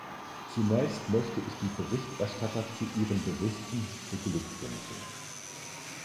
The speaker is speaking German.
Zunächst möchte ich die Berichterstatter zu ihren Berichten beglückwünschen.